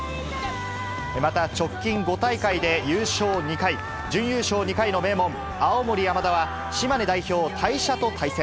また、直近５大会で優勝２回、準優勝２回の名門、青森山田は、島根代表、大社と対戦。